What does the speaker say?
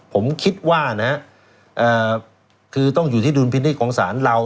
ผมคิดว่านะคือต้องอยู่ที่ดุลพินิษฐ์ของศาลเรา